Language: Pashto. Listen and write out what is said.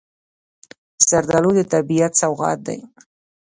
زردالو د طبیعت سوغات دی.